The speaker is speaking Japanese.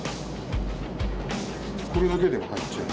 これだけでも入っちゃう。